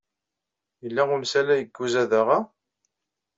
Yella umsalay deg uzadaɣ-a?